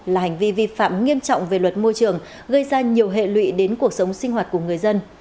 là hành vi vi phạm nghiêm trọng về luật môi trường gây ra nhiều hệ lụy đến cuộc sống sinh hoạt của người dân